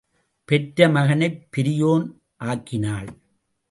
பெற்ற மகனைப் பெரியோன் ஆக்கினாள்.